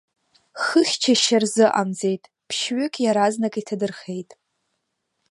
Хыхьчашьа рзыҟамҵеит, ԥшьҩык иаразнак иҭадырхеит.